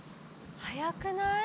「早くない？」